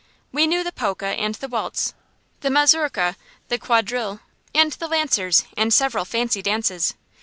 We knew the polka and the waltz, the mazurka, the quadrille, and the lancers, and several fancy dances.